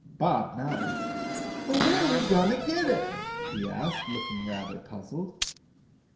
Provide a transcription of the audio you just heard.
gBob nodded. "But where are we going to get it?" lie asked, looking rather puzzled.